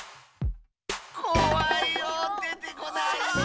こわいよでてこない。